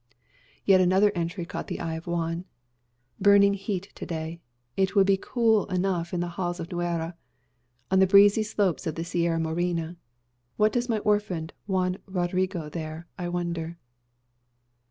Yet another entry caught the eye of Juan. "Burning heat to day. It would be cool enough in the halls of Nuera, on the breezy slope of the Sierra Morena. What does my orphaned Juan Rodrigo there, I wonder?"